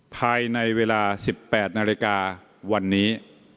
ภายในเวลาสิบแปดนาฬิกาวันนี้